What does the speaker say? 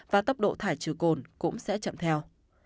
và tốc độ thải trừ cồn cũng sẽ chậm theo